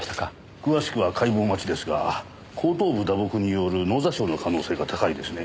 詳しくは解剖待ちですが後頭部打撲による脳挫傷の可能性が高いですね。